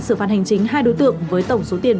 sửa phản hành chính hai đối tượng với tổng số tiền